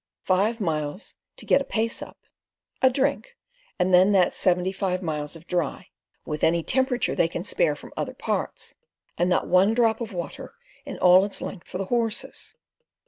Five miles to "get a pace up"—a drink, and then that seventy five miles of dry, with any "temperature they can spare from other parts," and not one drop of water in all its length for the horses.